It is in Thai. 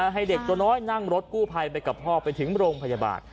ให้เด็กตัวน้อยนั่งรถกู้ภัยไปกับพ่อไปถึงโรงพยาบาล